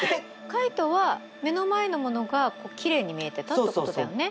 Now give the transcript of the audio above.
カイトは目の前のものがきれいに見えてたってことだよね。